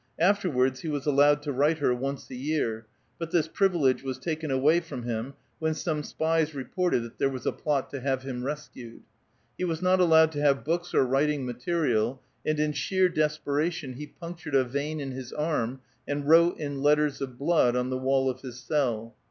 After wards he was allowed to write her once a year ; but this priv ilege was taken away from him when some spies reported that there was a plot to have him rescued. He was not allowed to have books or writing material, and in sheer des peration he punctured a vein in his arm, and wrote in letters of blood on the wall of his cell.